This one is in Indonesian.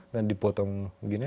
dan dipotong begini